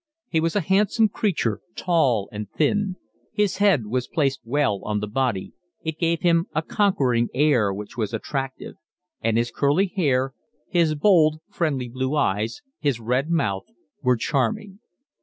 He was a handsome creature, tall and thin; his head was placed well on the body, it gave him a conquering air which was attractive; and his curly hair, his bold, friendly blue eyes, his red mouth, were charming.